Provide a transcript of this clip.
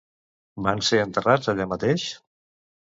Van ser enterrats allà mateix?